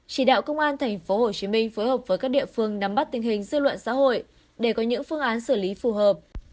chỉ đạo công an tp hcm phối hợp với các địa phương nắm bắt tình hình dư luận xã hội để có những phương án xử lý phù hợp